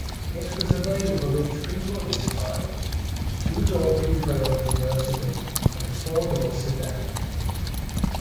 It was available in three bodystyles: two-door coupe or convertible and a four-door sedan.